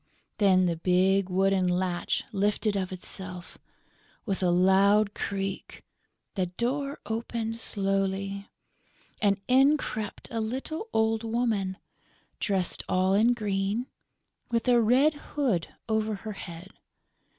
Then the big wooden latch lifted of itself, with a loud creak; the door opened slowly; and in crept a little old woman, dressed all in green, with a red hood over her head.